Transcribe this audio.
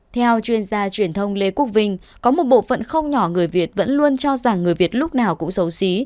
theo chuyên gia truyền thông lê quốc vinh có một bộ phận không nhỏ người việt vẫn luôn cho rằng người việt lúc nào cũng xấu xí